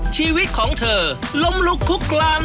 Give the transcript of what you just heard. ชีวิตของเธอล้มลุกคุกคลาน